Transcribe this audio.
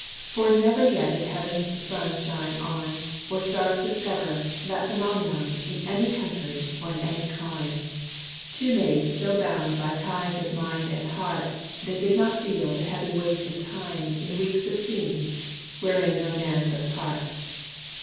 For never yet did heaven's sun shine on, Or stars discover, that phenomenon, In any country, or in any clime: Two maids so bound, by ties of mind and heart. They did not feel the heavy weight of time In weeks of scenes wherein no man took part.